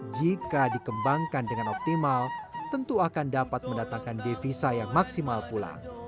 jika dikembangkan dengan optimal tentu akan dapat mendatangkan devisa yang maksimal pula